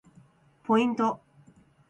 ポイント